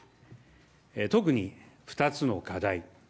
特に２つの課題。